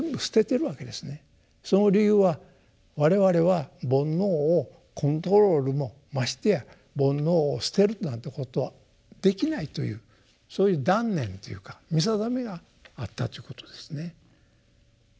その理由は我々は煩悩をコントロールもましてや煩悩を捨てるなんてことはできないというそういう断念というか見定めがあったということですね。